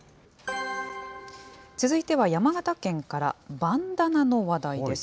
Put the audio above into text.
続いては山形県から、バンダナの話題です。